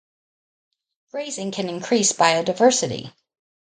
Grazing can increase biodiversity.